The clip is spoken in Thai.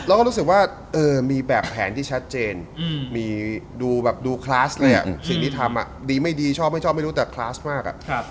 รู้สึกว่ามีแบบแผนที่ชัดเจนมีดูแบบดูคลาสเลยสิ่งที่ทำดีไม่ดีชอบไม่ชอบไม่รู้แต่คลาสมาก